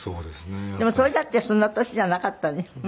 でもそれだってそんな年じゃなかったね。